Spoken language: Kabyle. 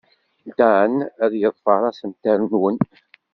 Dan ad yeḍfer assemter-nwen.